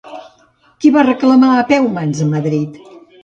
Qui va reclamar a Peumans a Madrid?